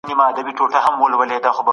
ايا حضوري زده کړه د ټولګي نظم پیاوړی کوي؟